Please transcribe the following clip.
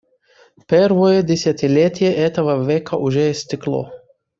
Первое десятилетие этого века уже истекло.